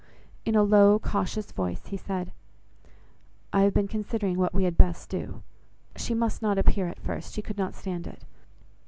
In a low, cautious voice, he said:— "I have been considering what we had best do. She must not appear at first. She could not stand it.